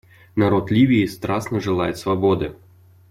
Народ Ливии страстно желает свободы.